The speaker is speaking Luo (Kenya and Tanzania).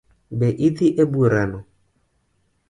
Be idi e bura no?